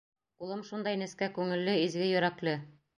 Улым шундай нескә күңелле, изге йөрәкле.